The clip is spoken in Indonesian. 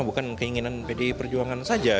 bukan keinginan pdi perjuangan saja